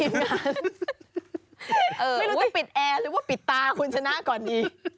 ไม่รู้ปิดอ้หรือปิดตาคุณชนะก่อนอี